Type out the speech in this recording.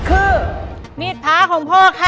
คือมิดพ้าของพวกค่ะ